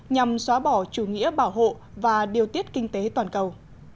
nhằm xóa bỏ chủ nghĩa bảo hộ và điều tiết kinh tế toàn cầu